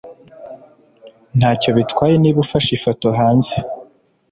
ntacyo bitwaye niba ufashe ifoto hanze